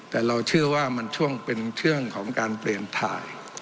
แต่เราเชื่อว่ามันช่วงเป็นช่วงของการเปลี่ยนถ่าย